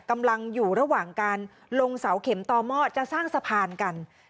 กำลังอยู่ระหว่างการลงเสาเข็มต่อหม้อจะสร้างสะพานกัน